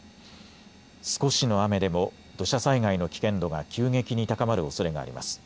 少しの雨でも土砂災害の危険度が急激に高まるおそれがあります。